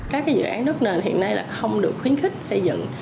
các dự án đất nền hiện nay là không được khuyến khích xây dựng